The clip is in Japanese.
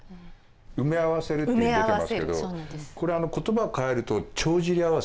埋め合わせるって出てますけどこれ言葉をかえると帳尻合わせ。